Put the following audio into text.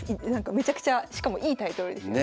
めちゃくちゃしかもいいタイトルですよね。